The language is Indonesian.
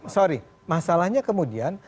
sorry masalahnya kemudian